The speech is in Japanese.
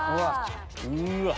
うわっ！